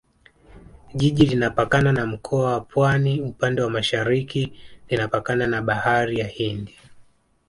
Jiji linapakana na Mkoa wa Pwani upande wa Mashariki linapakana na Bahari ya Hindi